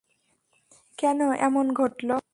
কেন এমন ঘটল?